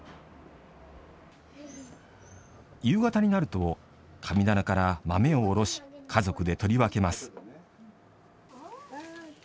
夕方になると神棚から豆を下ろし家族で取り分けます。